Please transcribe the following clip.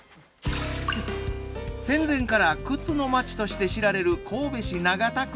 戦前から靴の街として知られる神戸市長田区。